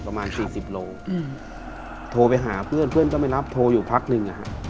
ประมาณสี่สิบโลโทรไปหาเพื่อนเพื่อนก็ไม่รับโทรอยู่พักหนึ่ง